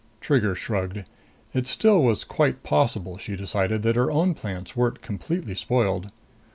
Trigger shrugged. It still was quite possible, she decided, that her own plans weren't completely spoiled.